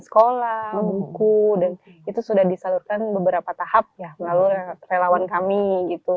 sekolah buku dan itu sudah disalurkan beberapa tahap ya melalui relawan kami gitu